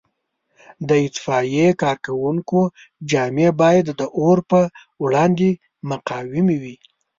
د اطفایې کارکوونکو جامې باید د اور په وړاندې مقاومې وي.